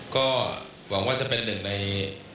ก็หวังว่าจะเป็นหนึ่งใน